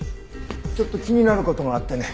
ちょっと気になる事があってね。